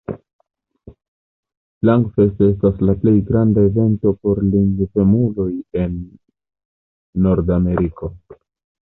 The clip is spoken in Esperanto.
Langfest estas la plej granda evento por lingvemuloj en Nordameriko.